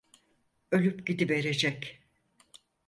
Ölüp gidiverecek…